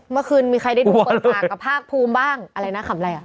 เมื่อคืนมีใครได้ดูเปิดปากกับภาคภูมิบ้างอะไรนะขำอะไรอ่ะ